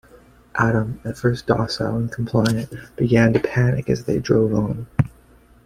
Adam, at first docile and compliant, began to panic as they drove on.